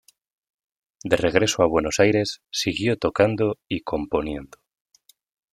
De regreso a Buenos Aires siguió tocando y componiendo.